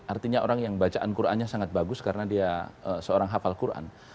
artinya orang yang bacaan qurannya sangat bagus karena dia seorang hafal quran